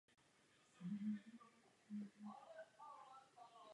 Lebka je jen málo klenutá.